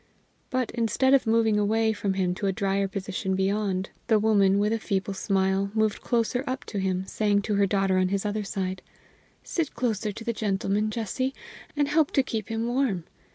But, instead of moving away from him to a drier position beyond, the woman, with a feeble smile, moved closer up to him, saying to her daughter on his other side: "Sit closer to the gentleman, Jessie, and help to keep him warm.